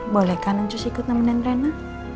boleh kan ncus ikut nemenin reina